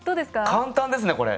簡単ですねこれ。